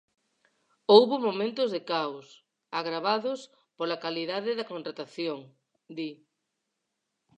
"Houbo momentos de caos" agravados pola calidade da contratación, di.